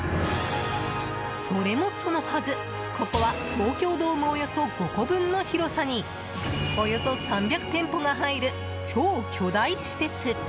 それもそのはず、ここは東京ドームおよそ５個分の広さにおよそ３００店舗が入る超巨大施設。